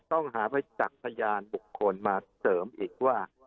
ต้องหาประจักษ์พยานบุคคลมาเสริมอีกว่า